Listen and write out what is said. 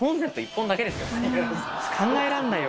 考えらんないよ